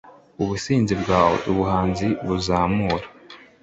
Ubusinzi bwawe Ubuhanzi buzamura